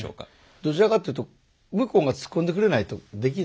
どちらかというと向こうが突っ込んでくれないとできない。